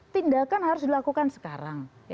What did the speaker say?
tindakan harus dilakukan sekarang